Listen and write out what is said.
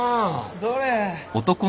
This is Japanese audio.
どれ。